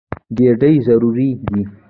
ګېډې ضروري دي.